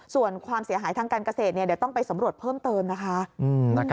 ส่วนความเสียหายทางการเกษตรเดี๋ยวต้องไปสำรวจเพิ่มเติมนะคะ